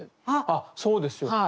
あっそうですよ。